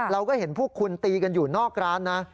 เราก็เห็นพวกคุณตีกันอยู่นอกร้านนะ